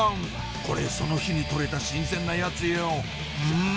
これその日に取れた新鮮なやつようん！